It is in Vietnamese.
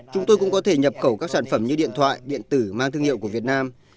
chúng tôi cũng có thể nhập khẩu các sản phẩm như điện thoại điện tử mang thương hiệu của việt nam